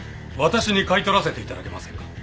私に買い取らせていただけませんか？